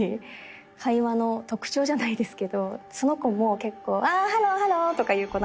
会話の特徴じゃないですけどその子も結構「ハローハロー」とか言う子なんですよ。